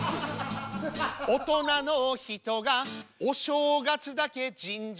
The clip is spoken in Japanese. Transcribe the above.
「大人の人がお正月だけ神社で」